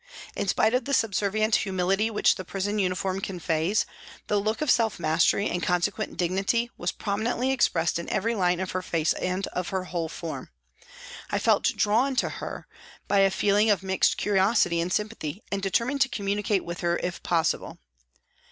In spite of the subservient humility which the prison uniform conveys, the look of self mastery and con sequent dignity was prominently expressed in every line of her face and of her whole form. I felt drawn to her by a feeling of mixed curiosity and sympathy and determined to communicate with her if possible.